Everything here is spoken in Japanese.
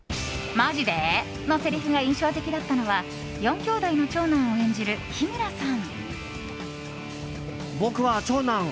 「マジで？」のせりふが印象的だったのは４きょうだいの長男を演じる日村さん。